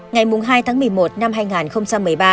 ngày hai tháng một mươi một năm hai nghìn một mươi ba